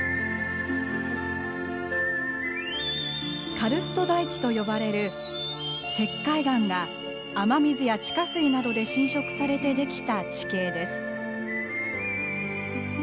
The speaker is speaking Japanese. カルスト台地と呼ばれる石灰岩が雨水や地下水などで浸食されてできた地形です。